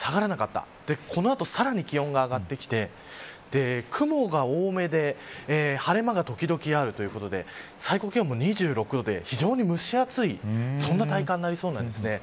この後さらに気温が上がってきて雲が多めで晴れ間が時々あるということで最高気温も２６度で非常に蒸し暑いそんな体感になりそうです